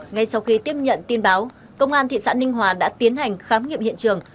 ngay sau khi tiếp nhận tin báo công an thị xã ninh hòa đã tiến hành khám nghiệm hiện trường